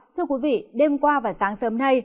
thưa quý vị đêm qua và sáng sớm nay